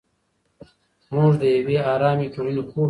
موږ د یوې ارامې ټولنې خوب ویني.